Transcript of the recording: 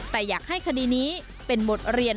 แต่อยากให้คดีนี้เป็นบทเรียน